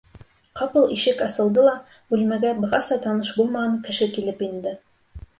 Ҡапыл ишек асылды ла бүлмәгә бығаса таныш булмаған кеше килеп инде.